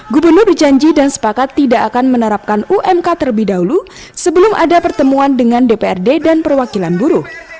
gubernur berjanji dan sepakat tidak akan menerapkan umk terlebih dahulu sebelum ada pertemuan dengan dprd dan perwakilan buruh